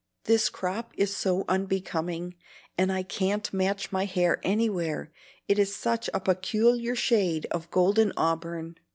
This crop is so unbecoming, and I can't match my hair anywhere, it is such a peculiar shade of golden auburn."